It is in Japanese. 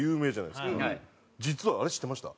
実はあれ知ってました？